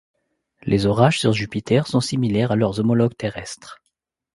Les orages sur Jupiter sont similaires à leurs homologues terrestres.